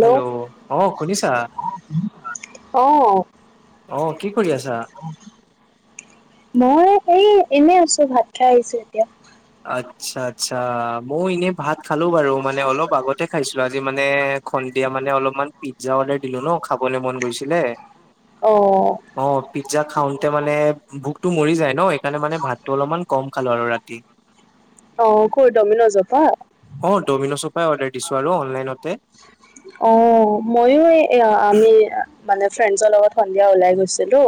Hello, অহ শুনিছা? অ অহ, কি কৰি আছা? মই সেই এনে আছো ভাত খাই আহিছোঁ এতিয়া। আচ্ছা-আচ্ছা, ময়ো এনে ভাত খালো বাৰু মানে অলপ আগতে খাইছিলো আজি মানে সন্ধিয়া মানে অলপমান পিজ্জা অৰ্ডাৰ দিলো ন খাবলৈ মন গৈছিলে। অ'। অ, পিজ্জা খাওতে মানে ভোকটো মৰি যায় ন' এইকাৰণে মানে ভাতটো অলমান কম খালো আৰু ৰাতি। অ'কৰ ডমিনজৰ পা? অ, ডমিনছৰ পৰাই অৰ্ডাৰ দিছো আৰু অনলাইনতে। [inaudible] অহ, ময়ো এয়া আমি মানে ফ্ৰেণ্ডছৰ লগত সন্ধিয়া ওলাই গৈছিলোঁ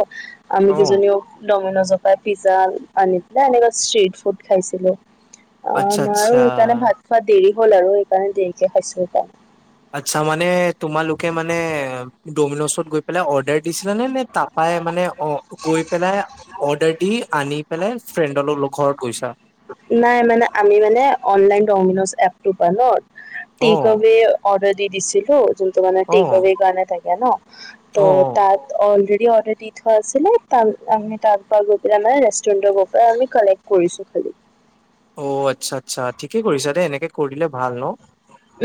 আমি অ দুজনীও ডমিনজৰ পৰা পিজ্জা আনি পেলাই এনেকুৱা ষ্ট্ৰীট ফুড খাইছিলোঁ। অহ, আচ্ছা আমাৰো সেইকাৰণে আচ্ছা ভাত খোৱাত দেৰি হ'ল আৰু সেইকাৰণে দেৰিকে খাইছো [unintelligible] আচ্ছা মানে তোমালোকে মানে ডমিনচত গৈ পেলাই অৰ্ডাৰ দিছিলা নে -নে তাইপাই মানে অহ গৈ পেলাই অৰ্ডাৰ দি আনি পেলে ফ্ৰেণ্ডৰ লগ -লগ ঘৰত গৈছা? নাই মানে আমি মানে অনলাইন ডমিনজ এপটো পা ন' অ টেক আৱে অৰ্ডাৰ দি দিছিলোঁ যোনটো মানে অ টেক আৱে কাৰণে থাকে ন' অ অ ত' তাত অলৰেডি অৰ্ডাৰ দি থোৱা আছিলে তান আমি তাৰ পা গৈ পেলাই মানে ৰেষ্টুৰেণ্টত গৈ পেলাই আমি কালেক্ট কৰিছো খালি। অহ, আচ্ছা -আচ্ছা ঠিকে কৰিছা দে এনেকে কৰিলে ভাল ন'?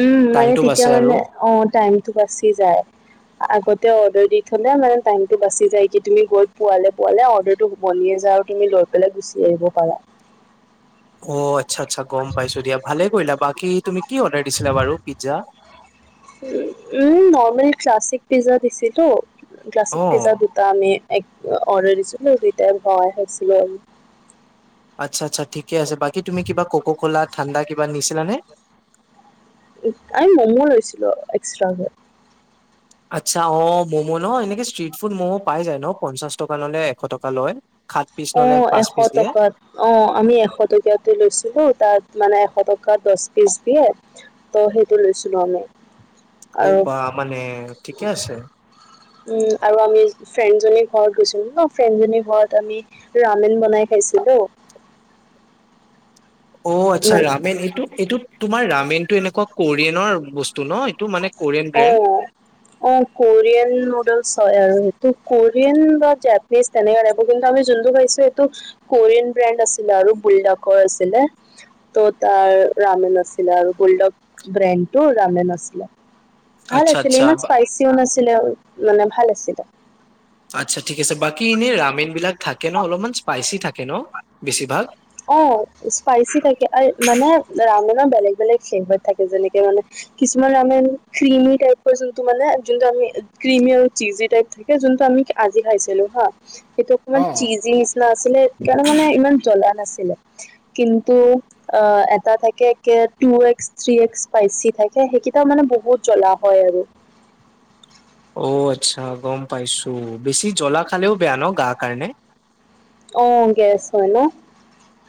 উম, মানে টাইমটো বাচে তেতিয়া আৰু মানে অহ, টাইমতো বাছি যায়। আগতে অৰ্ডাৰ দি থলে মানে টাইমতো বাচি যায় কি তুমি গৈ পোৱালে-পোৱালে অৰ্ডাৰটো বনিয়ে যায় আৰু কিনি লৈ পেলাই গুচি আহিব পাৰা। অহ, আচ্ছা -আচ্ছা গম পাইছো দিয়া ভালে কৰিলা বাকী তুমি কি অৰ্ডাৰ দিছিলা বাৰু পিজ্জা? উম, নৰ্মেল ক্লাছিক পিজ্জা দিছিলোঁ অ ক্লাছিক পিজ্জা টা আমি এক অৰ্ডাৰ দিছিলোঁ দুইটাই আমি ভগাই খাইছিলোঁ আচ্ছা -আচ্ছা ঠিকে আছে বাকী তুমি কিবা ক'ক ক'লা ঠাণ্ডা কিবা নিছিলা নে? [unintelligible] আমি ম'ম' লৈছিলো এক্সট্ৰা কে। আচ্ছা অহ, ম'ম' নহ এনেকে ষ্ট্ৰিট ফুড ম'ম' পাই যায় ন' পঞ্চাশ টকা ললে এশ টকা লয়। সাত পিচ নহ'লে পাঁচ পিচ দিয়ে। অহ, আমি এশ টকীয়াটো লৈছিলোঁ তাত মানে এশ টকা দচ পিচ দিয়ে ত'সেইটো লৈছিলোঁ আমি। ঔ আৰু বা মানে ঠিকে আছে। উম, আৰু আমি ফ্ৰেণ্ডজনীৰ ঘৰত গৈছিলোঁ ন'ফ্ৰেণ্ডজনীৰ ঘৰত আমি ৰামেন বনাই খাইছিলোঁ। অহ, আচ্ছা ৰামেন এইটো- এইটো তোমাৰ ৰামেন টো এনেকুৱা কোৰিয়েনৰ বস্তু ন' এইটো মানে কোৰিয়ান ব্ৰেণ্ড অ', অহ, কোৰিয়েন নোডলচ হয় আৰু সেইটো কোৰিয়েন বা জেপ টেষ্ট তেনেকা লাগিব কিন্তু আমি যোনটো খাইছো এইটো কোৰিয়েন ব্ৰেণ্ড আছিলে আৰু বুলডাকৰ আছিলে। তো তাৰ ৰামেন আছিলে আৰু গল্ড [unintelligible] ব্ৰেণ্ডতো ৰামেন আছিলে। ভাল আচ্ছা আছিলে আচ্ছা ইমান বা- স্পাইচিও নাছিলে মানে ভাল আছিলে। আচ্ছা ঠিক আছে বাকী এনেই ৰামেন বিলাক থাকে ন'অলমান স্পাইচি থাকে ন' বেছিভাগ? অহ, স্পাইচি থাকে আৰে মানে ৰামেনৰ বেলেগ -বেলেগ ছেভত থাকে যেনেকে মানে কিছুমান ৰামেন ক্ৰিমি টাইপৰ যোনটো মানে যোনটো আমি ক্ৰিমি আৰু চিজি টাইপ থাক হে যোনটো আমি আজি খাইছিলোঁ হা সেইটো ইমান অ চিজি নিচনা আছিলে এইকাৰণে মানে ইমান জ্বলা নাছিলে কিন্তু অহ, এটা থাকে একে two x, three x spicy থাকে সেইকেইটা মানে বহুত জ্বলা হয় আৰু। অ' আচ্ছা! গম পাইছোঁ। বেছি জ্বলা খালেও বেয়া ন'! গা কাৰণে? অ'! গেছ হয় ন'?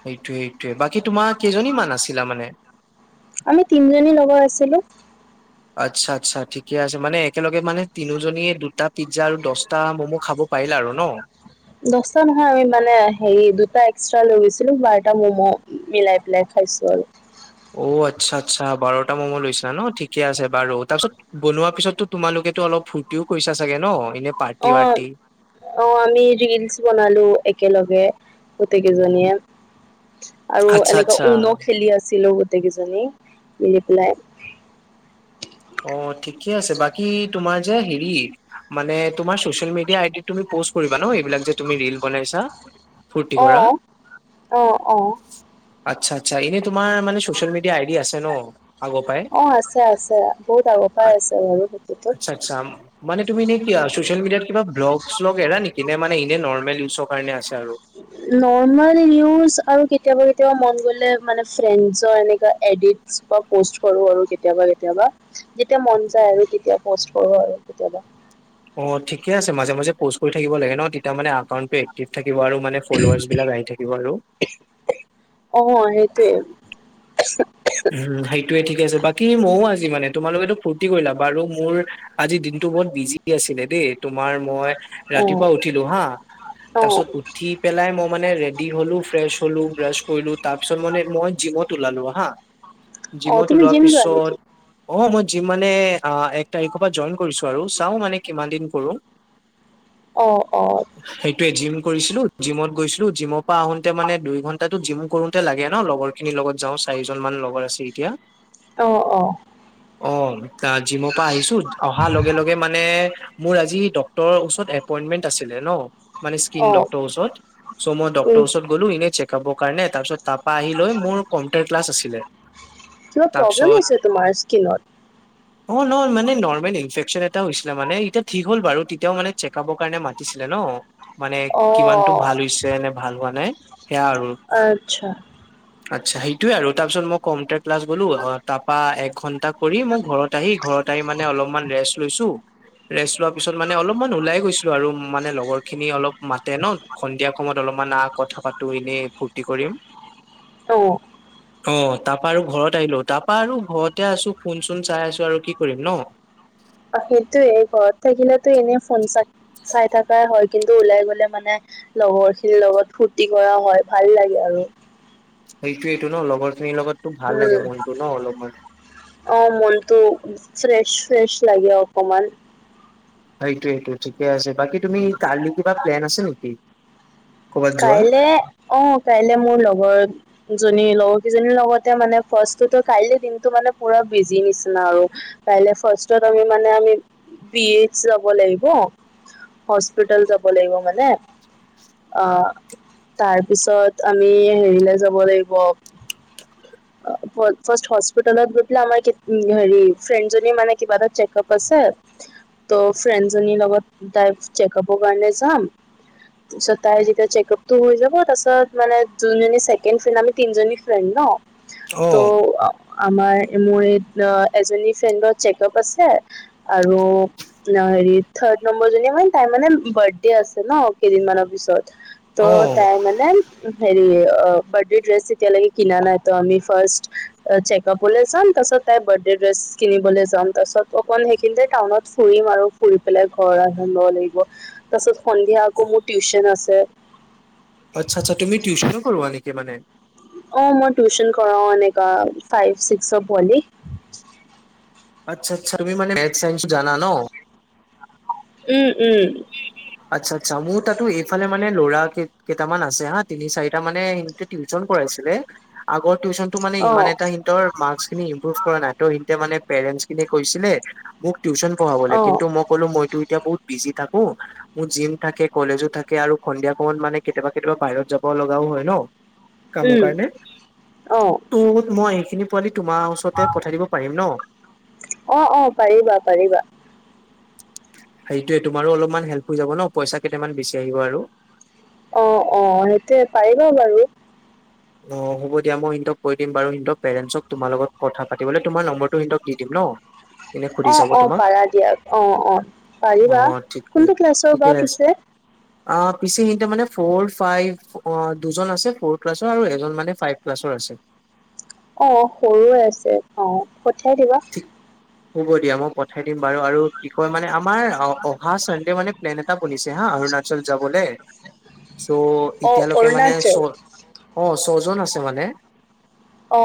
সেইটোৱে, সেইটোৱে! বাকী, তোমাৰ কেইজনী মান আছিলা মানে? আমি তিনিজনী লগৰ আছিলোঁ। আচ্ছা- আচ্ছা ঠিকে আছে মানে একেলগে মানে তিনুজনিয়ে দুটা পিজ্জা আৰু দচটা ম'ম' খাব পাৰিলা আৰু ন? [inaudible] দচতা নহয় আৰু এইমানে হেৰি দুটা এক্সট্ৰা লৈ গৈছিলোঁ বাৰটা মম' মিলাই পেলাই খাইছো আৰু। অ'! আচ্ছা, আচ্ছা! বাৰটা ম'ম' লৈছা ন'? ঠিকে আছে বাৰু। তাৰপিছত, বনোৱাৰ পিছততো, তোমালোকেতো অলপ ফূৰ্তিও কৰিছা চাগে ন'! এনে পাৰ্টি অ -ৱাৰ্টি? অ'! আমি ৰিলচ বনালোঁ একেলগে। গোটেই কেইজনীয়ে আৰু আচ্ছা, আচ্ছা। এনেকুৱা [unintelligible] খেলি আছিলোঁ। গোটকেইজনী মিলি পেলাই অ'! ঠিকে আছে। বাকী, তোমাৰ যে হেৰি, মানে, তোমাৰ চচিয়েল মিডিয়া আইডিত তুমি পষ্ট কৰিবা ন'? এইবিলাক যে তুমি ৰিলছ বনাইছা? ফূৰ্তি অ কৰা। অ অ আচ্ছা, আচ্ছা! এনেই তোমাৰ মানে, চচিয়েল মিডিয়া আই ডি আছে ন' আগৰ পৰাই? অ'! আছে, আছে। বহুত আগৰ পৰাই আছে বাৰু সেইটোতো। চাম। মানে, তুমি চচিয়েল মিডিয়াত, কিবা ব্লগ- চলগ এৰা নেকি? নে মানে, এনে নৰ্মেল [unintelligible] কাৰণে আছে আৰু। নৰ্মেল নিউজ আৰু কেতিয়াবা -কেতিয়াবা মন গ'লে, মানে, ফ্ৰেণ্ডছৰ এনেকুৱা এডিট [unintelligible] পষ্ট কৰোঁ আৰু কেতিয়াবা- কেতিয়াবা। যেতিয়া, মন যায় আৰু তেতিয়া পষ্ট কৰোঁ আৰু কেতিয়াবা। অ'! ঠিকে আছে। মাজে- মাজে প'ষ্ট কৰি থাকিব লাগে ন'? তেতিয়া মানে, একাউণ্টটো এক্টিভ থাকিব আৰু মানে ফ'ল'ৱাৰ্চ বিলাক আহি থাকিব আৰু। অ'! সেইটোৱে। [unintelligible] সেইটোৱে! ঠিক আছে। বাকী, মইয়ো আজি মানে, তোমালোকেতো ফূৰ্তি কৰিলা আৰু মোৰ আজি দিনটো বহুত বিজি আছিলে দেই। তোমাৰ, মই অ ৰাতিপুৱা উঠিলোঁ হা! অ তাৰপিছত, উঠি পেলাই মই মানে, ৰেডি হলোঁ, ফ্ৰেছ হলোঁ, ব্ৰাছ কৰিলোঁ। তাৰপিছত, মানে মই জিমত ওলালো হা! অ জিমত তুমি ওলোৱাৰ জিম যোৱা নেকি পিছত অ'! মই, জিম মানে, এক তাৰিখৰ পৰা জইন কৰিছোঁ আৰু। চাওঁ মানে, কিমান দিন কৰোঁ। অ'! অ'! সেইটোৱে! জিম কৰিছিলোঁ, জিমত গৈছিলোঁ। জিমৰ পৰা আহোঁতে মানে, দুই ঘন্টা জিম কৰোঁতে লাগে ন'? লগৰ খিনিৰ লগত যাওঁ। চাৰিজন মান লগৰ আছে এতিয়া। অ'! অ'! অ'! [unintelligible] জিমৰ পৰা আহিছোঁ। অ'! অহা লগে লগে মানে, মোৰ আজি ডক্তৰৰ ওচৰত এপইন্টমেন্ট আছিলে ন'? মানে, স্কিন অ ডক্তৰ ওচৰত, চ' মই ডক্তৰ উম ওচৰত গ'লো, এনেই চেক-আপৰ কাৰণে। তাৰপিছত, তাৰপা, আহি লৈ মোৰ কন্টেক্ট কিবা প্ৰব্লেম হৈছে, তোমাৰ স্কিনত? অ'! নহয়। মানে, নৰ্মেল ইনফেকচন এটা হৈছিলে মানে। এতিয়া ঠিক হ'ল বাৰু। তেতিয়াও মানে, চেক-আপৰ কাৰণে মাতিছিলে ন'। মানে, অ কিমানতো ভাল হৈছে, নে ভাল হোৱা নাই! সেয়া আৰু। আচ্ছা! আচ্ছা! সেইটোৱে আৰু। তাৰপিছত, মই কম্পিউটাৰ ক্লাছ গলোঁ আৰু তাৰপা, এখন [unintelligible] কৰি, মোৰ ঘৰত আহি, ঘৰত আহি মানে, অলপমান ৰেষ্ট লৈছোঁ। ৰেষ্ট লোৱাৰ পিছত মানে, অলপ ওলাই গৈছিলোঁ আৰু। মানে, লগৰ খিনি অলপ মাতে ন'! সন্ধিয়া সময়ত অলপমান আঁ, কথা পাতোঁ, এনেই ফূৰ্তি কৰিম। অ'! অ'! তাৰপা আৰু ঘৰত আহিলোঁ। তাৰপা আৰু ঘৰতে আছোঁ, ফোন- চোন চাই আছোঁ আৰু। কি কৰিম ন'? সেইটোৱ, ঘৰত থাকিলেতো এনেই ফোন চ, চাই থাকাই হয়। কিন্তু, ওলাই গ'লে মানে, লগৰ খিনিৰ লগত ফূৰ্তি কৰা হয়, ভাল লাগে আৰু সেইটোৱেইটো ন লগৰখিনীৰ লগতো ভাল লাগে উম মনটো ন লগৰ। অ মনটো ফ্ৰেছ ফ্ৰেছ লাগে অকমান। সেইটো সেইটো ঠিকে আছে, বাকী তুমি কালি কিবা প্লেন আছে নেকি? কৰ'বাত যোৱা কাইলে অ'! কাইলে মোৰ লগৰ জনী, লগৰ কেইজনীৰ লগতে মানে, ফাৰ্ষ্টটো ত' কাইলে দিনটো মানে, পুৰা বিজি নিচিনা আৰু। কাইলে, ফাৰ্ষ্টত আমি মানে, আমি বি এইচ যাব লাগিব। হস্পিতাল যাব লাগিব মানে। [unintelligible] আহ তাৰপিছত আমি হেৰিলে যাব লাগিব। ফাষ্ট হস্পিটেলত গৈ পেলাই হেৰী ফ্ৰেণ্ড জনী কিবা এটা চেকাপ আছে ত' ফ্ৰেণ্ড জনীৰ লগত তাই চেকআপৰ কাৰণে যাম, তাৰপিছত তাই যেতিয়া চেকআপ টো হৈ যাব তাৰপিছত মানে যোন জনি চছেকেণ্ড ফ্ৰেণ্ড আমি তিনজনী ফ্ৰেণ্ড ন। অ ত' আমাৰ মোৰ এই এজনী ফ্ৰেণ্ডৰ চেকআপ আছে, আৰু ন হেৰি থাৰ্ড নম্বৰ জনী মানে তাই মানে বাৰ্থডে আছে ন কেইদিনমানৰ ত পিছত অ ত' তাই মানে হেৰি বাৰ্থডে ড্ৰেছ এতিয়ালেকে কিনা নাই ত আমি ফাষ্ট চেকাপলে যাম তাপাছত তাই বাৰ্থডে ড্ৰেছ কিনিবলৈ যাম তাৰপাছত অকণ সেইখিনিতে টাউনত ফুৰিম আৰু ফুৰি পেলাই ঘৰ ধনব লাগিব, তাৰপাছত সন্ধিয়া আকৌ মোৰ টিউচন আছে। আচ্ছা আচ্ছ তুমি টিউশনো কৰোৱা নেকি মানে? অ মই টিউচন কৰাও এনেকা ফাইভ চিক্সৰ পোৱালি। আচ্ছা আচ্ছা তোমি মানে মেথতচ-ছাইন্ঞ্চ জানা ন? উম, উম। আচ্ছা আচ্ছা মোৰ তাতো এইফালে মানে ল'ৰা কেইটামান আছে হা তিনি চাৰিটা মানে টিউশচন কৰাইছিলে, আগৰ টিউশচন ত মানে ইমান অ', এটা সিহৰ মাস্ক খিনি ইম্প্ৰুভ কৰা নাই, ত সিহতে মানে পেৰেণ্ট খিনি কৈছিলে মোক টিউশচন পঢ়াবলৈ, অ', কিন্তু মই ক'লো মইতো এতিয়া বহুত বিজি থাকো, মোৰ জিম থাকে, কলেজো থাকে আৰু সন্ধিয়া সময়ত মানে কেতিয়াবা কেতিয়াবা বাহিৰত যাব লগাও হয় ন। কামৰ উম, কাৰণে, অ', ত মই এইখিনি পোৱালি তোমাৰ ওচৰতে পঠাই দিব পাৰিম ন? অঁ, অঁ পাৰিবা পাৰিবা। সেইটোয়ে তোমাৰো অলপমান হেল্প হৈ যাব ন, পইচা কেইটামান বেছি আহিব আৰু। অ অ সেইটোয়ে পাৰিব বাৰু। অ হ'ব দিয়া মই সিহঁতক কৈ দিম বাৰু, সিহঁত পেৰেণ্টছক তোমাৰ লগত কথা পাতিব তোমাৰ নম্বৰটো সিহতক দিম ন? এনে সুধি অ চাব অ তোমাক পাৰা দিয়াক, অ অ অ পাৰিবা ঠিকেই কোনটো ক্লাছৰ ঠিকে বা আছে পিছে? অ পিছে হিতে মানে ফ'ৰ, ফাইভ অ দুজন আছে ফৰ ক্লাছ ত আৰু এজন মানে ফাইভ ক্লাছৰ আছে। অ সৰুৱে আছে অ পঠিয়াই দিবা। ঠিক হ'ব দিয়া মই পঠাই দিম বাৰু আৰু কি কয় মানে আমাৰ অহা চানডে মানে প্লেন এটা বনিছে হা, অৰুণাচল যাবলে চ' অ', এতিয়ালৈকে মানে ছ অৰুণাচল অ ছজন আছে মানে। অ।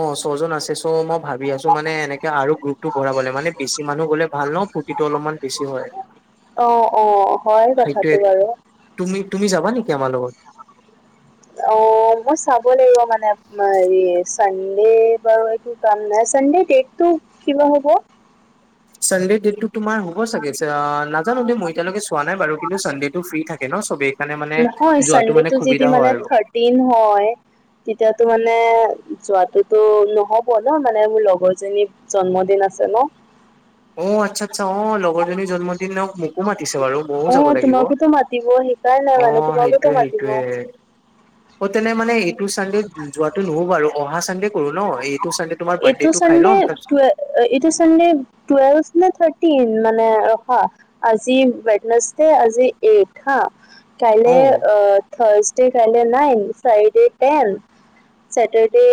অ ছজন আছে চ মই ভাব ভাবি আছো মানে এনেকে আৰু গ্ৰুতটো ভৰাবলে, মানে বেছি মানুহ গ'লে ভাল ন ফূৰ্তিটো অলপমান বেছি হয়। অ অ হয় সেইটোৱে কথাটো বাৰু। তুমি তুমি যাব নেকি আমাৰ লগত? অ মই চাব লাগিব মানে হেৰি চানডে বাৰু এইটো [unintelligible] চানডে দেতটো কি বা হ'ব? চানদে ডেটটো তোমাৰ হ'ব চাগে ন জানো দে মই এতিয়ৈকে চোৱা নাই বাৰু কিন্তু চানডেতটো ফ্ৰী থাকে ন সবেই সেই কাৰণে মানে হয় যোৱাটো মানে ছানদেটো যদি সুবিধা মানে হয় আৰু থৰ্টিন হয় তেতিয়াতো মানে যোৱাতোতো নহ'ব ন মানে মোৰ লগৰজনী জন্মদিন আছে ন অ আচ্ছা আচ্ছা অ লগৰ জনী জন্ম দিনক মোকো মাতিছে বাৰু ময়ো অ যাব লাগিব তোমাকোতো মাতিব সেইকাৰণে অ মানে তোমাকোতো সেইটোৱে মাতিব সেইটোৱে অ তেনে মানে ইটো চানডে যোৱাটো নহব আৰু অহা চানডে কৰো ন এই টু চানডেটো তোমাৰ বাৰ্থডেটো খাই লম তাৰপাছত ইটো চানডে টোৱেভ নে থাৰ্টিন মানে ৰখা আজি বেটনছড আজি এইট হা অ কাইলে থাৰজডে কাইলে নাই ফ্ৰাইডে টেন চটাৰডে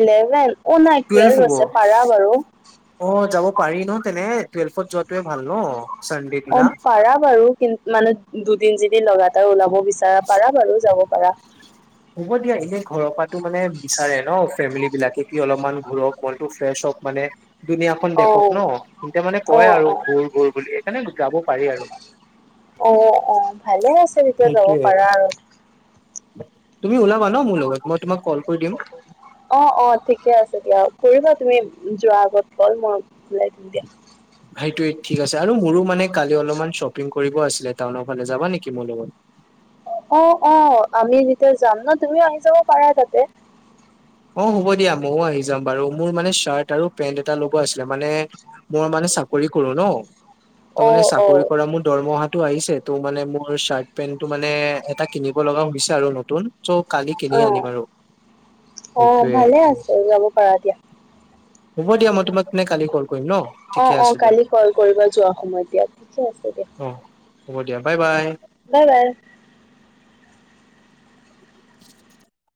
ইলেভেন অ নাই টুৱেলফ টুৱেল্ভ হ'ব আছে পাৰা বাৰু অ যাব পাৰি ন তেনে টুৱেলফত যোৱাটোৱে ভাল ন চানডে অ দিনা পাৰা বাৰু কিন্ত মানে দুদিন যদি লগা তাৰ ওলাব বিচাৰা পাৰা বাৰু যাব পাৰা হ'ব দিয়া এনে ঘৰৰ পৰা টো মানে বিচাৰে ন ফেমিলি বিলাকে কি অলপমান ঘূৰক মনতো ফ্ৰেছ হওক মানে দুুনীয়াখন অ দেশক ন এন্তিয়া মানে অ কয় আৰু অ ঘোৰ ঘোৰ বুলি সেইকাৰণে যাব পাৰি আৰু অ অ ভালে আছে তেতিয়া যাব সেইটোয়ে পাৰা আৰু তুমি ওলাবা ন মোৰ লগত মই তোমাক কল কৰি দিম অ অ ঠিকে আছে দিয়া কৰিবা তুমি যোৱাৰ আগত কল মই ওলাই দিম দিয়া সেইটোৱে ঠিক আছে আৰু মোৰো মানে কালি অলপমান শ্বপিং কৰিব আছিলে টাউনৰ ফালে যাবা নেকি মোৰ লগত অ অ আমি যেতিয়া যাম ন তুমিও আহি যাব পাৰা তাতে অ হ'ব দিয়া ময়ো আহি যাম বাৰু মোৰ মানে চাৰ্ট আৰু পেন্ট এটা লব আছিলে মানে মই মানে চাকৰি কৰো ন ত অ মানে অ চাকৰি কৰা মোৰ দৰমহাটো আহিছে ত' মানে মোৰ চাৰ্ট পেন্টো মানে এটা কিনিব লগা হৈছে আৰু নতুন চ' কালি অ কিনি আনিম আৰু অ সেইটোয়ে ভালে আছে যাব পাৰা দিয়া হ'ব দিয়া মই তোমকতেনে কালি কল কৰিম ন অ ঠিকে অ আছে দিয়া কালি কল কৰিব যোৱা সময় দিয়া ঠিকে আছে দিয়া অ হ'ব দিয়া বাই বাই বাই বাই